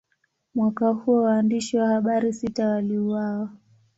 Mwaka huo, waandishi wa habari sita waliuawa.